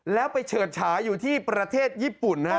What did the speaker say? แล้วไปเฉิดฉาอยู่ที่ประเทศญี่ปุ่นฮะ